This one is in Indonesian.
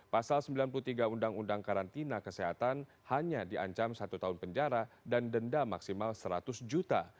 pasal sembilan puluh tiga undang undang karantina kesehatan hanya diancam satu tahun penjara dan denda maksimal seratus juta